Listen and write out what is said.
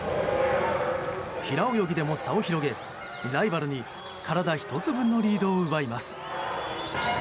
平泳ぎでも差を広げライバルに体１つ分のリードを奪います。